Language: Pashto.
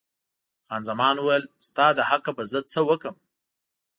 خان زمان وویل، ستا له حقه به زه څه وکړم.